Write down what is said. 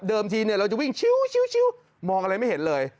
ทีเราจะวิ่งชิวมองอะไรไม่เห็นเลย